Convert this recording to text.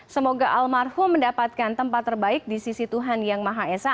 semoga almarhum mendapatkan tempat terbaik di sisi tuhan yang maha esa